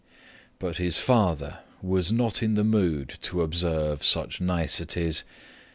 But his father was not in the mood to observe such niceties.